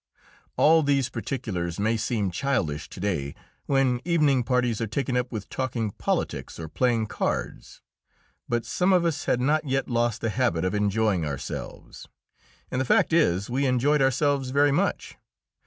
All these particulars may seem childish to day, when evening parties are taken up with talking politics or playing cards, but some of us had not yet lost the habit of enjoying ourselves, and the fact is, we enjoyed ourselves very much.